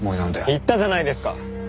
言ったじゃないですか。